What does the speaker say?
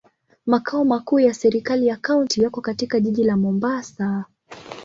Makao makuu ya serikali ya kaunti yako katika jiji la Mombasa.